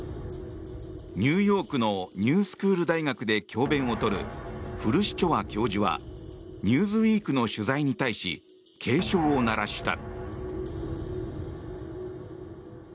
ニューヨークのニュースクール大学で教鞭を執るフルシチョワ教授は「ニューズウィーク」の取材に対し警鐘を鳴らした。